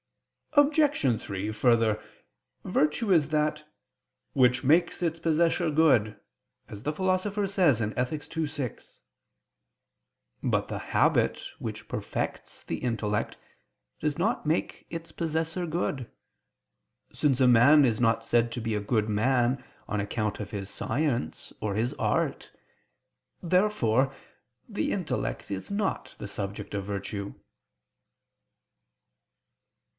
Obj. 3: Further, virtue is that "which makes its possessor good," as the Philosopher says (Ethic. ii, 6). But the habit which perfects the intellect does not make its possessor good: since a man is not said to be a good man on account of his science or his art. Therefore the intellect is not the subject of virtue.